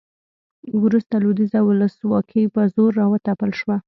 وروسته لویدیځه ولسواکي په زور راوتپل شوه